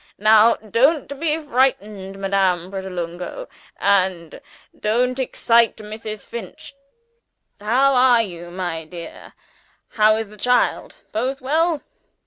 Now don't be frightened, Madame Pratolungo! and don't excite Mrs. Finch! (How are you, my dear? how is the child? Both well?